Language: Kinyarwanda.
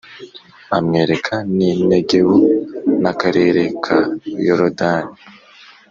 amwereka n’i negebu+ n’akarere ka yorodani+